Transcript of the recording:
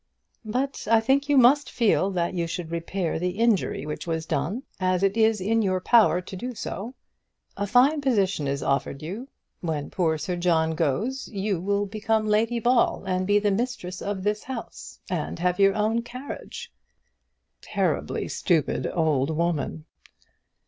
"But I think you must feel that you should repair the injury which was done, as it is in your power to do so. A fine position is offered you. When poor Sir John goes, you will become Lady Ball, and be the mistress of this house, and have your own carriage." Terribly stupid old woman!